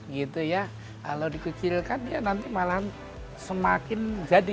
kalau dikucilkan ya nanti malah semakin jadi